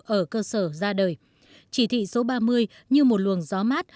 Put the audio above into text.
ở cơ sở ra đời chỉ thị số ba mươi như một luồng gió mát